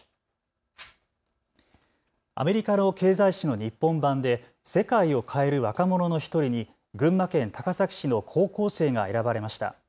アメリカの経済誌の日本版で世界を変える若者の１人に群馬県高崎市の高校生が選ばれました。